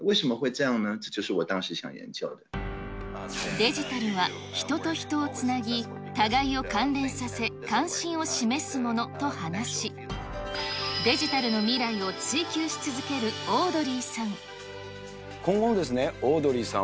デジタルは人と人をつなぎ、互いを関連させ、関心を示すものと話し、デジタルの未来を追求し続けるオードリーさん。